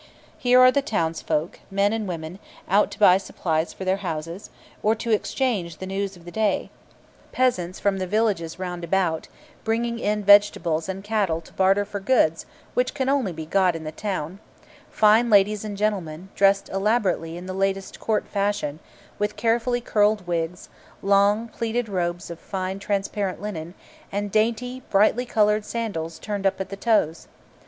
Here are the townsfolk, men and women, out to buy supplies for their houses, or to exchange the news of the day; peasants from the villages round about, bringing in vegetables and cattle to barter for the goods which can only be got in the town; fine ladies and gentlemen, dressed elaborately in the latest Court fashion, with carefully curled wigs, long pleated robes of fine transparent linen, and dainty, brightly coloured sandals turned up at the toes.